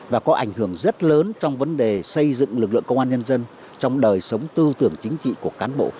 và có ảnh hưởng rất lớn trong vấn đề xây dựng lực lượng công an nhân dân trong đời sống tư tưởng chính trị của cán bộ